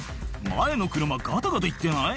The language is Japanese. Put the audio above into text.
前の車ガタガタいってない？」